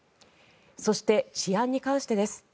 そして治安に関してです。